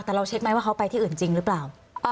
แต่เราเช็คไหมว่าเขาไปที่อื่นจริงหรือเปล่า